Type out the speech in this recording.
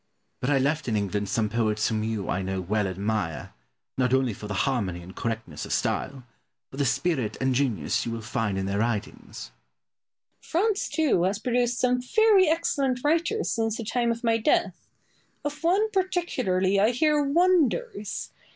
But I left in England some poets whom you, I know, will admire, not only for the harmony and correctness of style, but the spirit and genius you will find in their writings. Boileau. France, too, has produced some very excellent writers since the time of my death. Of one particularly I hear wonders.